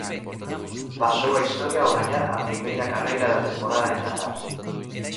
Pasou á historia ao gañar a primeira carreira da temporada en Qatar.